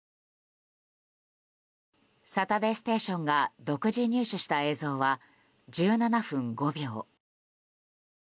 「サタデーステーション」が独自入手した映像は１７分５秒。